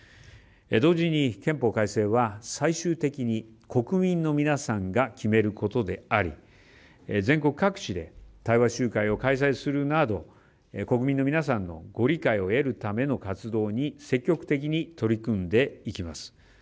同時に憲法改正は最終的に国民の皆さんが決めることであり全国各地で対話集会を開催するなど国民の皆さんのご理解を得るための活動に積極的に取り組んでいきます。